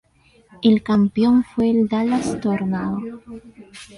El campeón fue el Dallas Tornado.